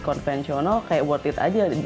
konvensional kayak worth it aja